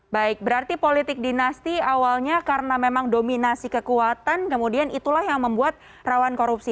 baik berarti politik dinasti awalnya karena memang dominasi kekuatan kemudian itulah yang membuat rawan korupsi